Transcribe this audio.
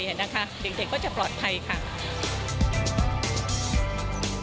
เด็กก็จะปลอดภัยค่ะ